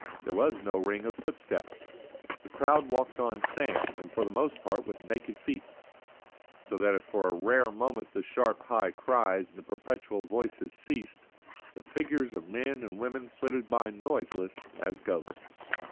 There was no ring of footsteps. The crowd walked on sand and for the most part with naked feet, so that if for a rare moment the sharp high cries and the perpetual voices ceased, the figures of men and women flitted by noiseless as ghosts.